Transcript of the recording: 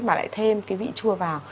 mà lại thêm cái vị chua vào